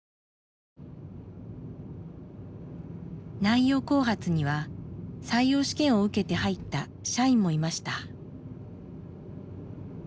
南洋興発には採用試験を受けて入った社員もいました。